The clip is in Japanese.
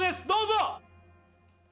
どうぞ！